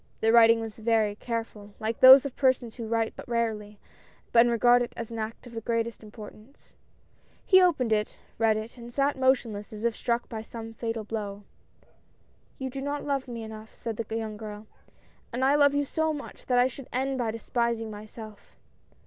The writing was very careful, like those of persons who write but rarely, and regard it as an act of the greatest importance. He opened it, read it, and sat motionless, as if struck by some fatal blow. " You do not love me enough," said the young girl, " and I love you so much that I should end by despis ing myself.